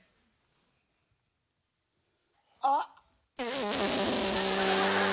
・あっ。